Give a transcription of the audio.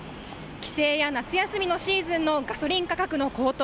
帰省や夏休みのシーズンのガソリン価格の高騰。